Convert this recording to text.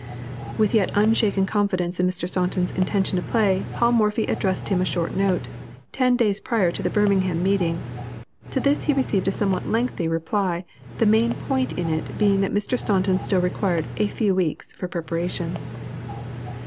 With yet unshaken confidence in Mr. Staunton's intention to play, Paul Morphy addressed him a short note, ten days prior to the Birmingham meeting; to this he received a somewhat lengthy reply, the main point in it being that Mr. Staunton still required "a few weeks" for preparation.